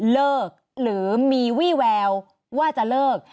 เลิกหรือมีวี่แววว่าจะเลิก